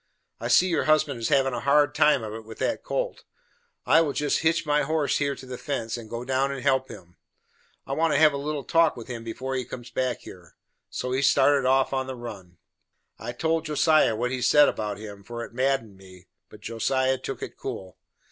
I see your husband is havin' a hard time of it with that colt. I will jest hitch my horse here to the fence, and go down and help him; I want to have a little talk with him before he comes back here." So he started off on the run. I told Josiah what he said about him, for it madded me, but Josiah took it cool.